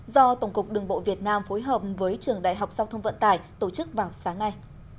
do tổng cục đường bộ việt nam phối hợp với trường đại học giao thông vận tải tổ chức vào sáng nay